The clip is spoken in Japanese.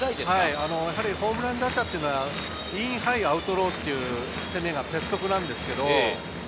ホームランバッターというのは、インハイ、アウトローという攻めが鉄則なんですけれど。